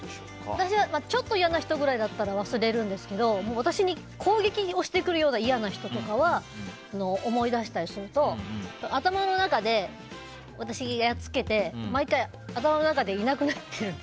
私はちょっと嫌な人ぐらいだったら忘れるんですけど私に攻撃をしてくるような嫌な人とかは思い出したりすると頭の中で、私、やっつけて毎回、頭の中でいなくなってるんです。